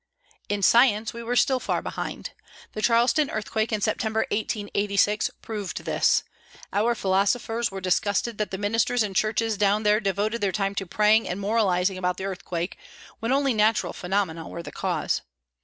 In science we were still far behind. The Charleston earthquake in September, 1886, proved this. Our philosophers were disgusted that the ministers and churches down there devoted their time to praying and moralising about the earthquake, when only natural phenomena were the cause.